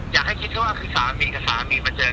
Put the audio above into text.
อยากให้คิดเขาว่าคือสามีกับสามีมาเจอ